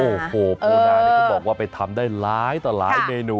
โอ้โหปูนานี่เขาบอกว่าไปทำได้หลายต่อหลายเมนู